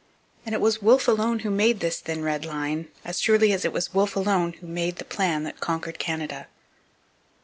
And it was Wolfe alone who made this 'thin red line,' as surely as it was Wolfe alone who made the plan that conquered Canada.